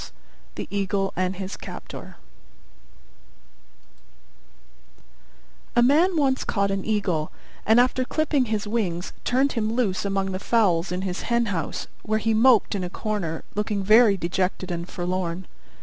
THE EAGLE AND HIS CAPTOR A Man once caught an Eagle, and after clipping his wings turned him loose among the fowls in his hen house, where he moped in a corner, looking very dejected and forlorn.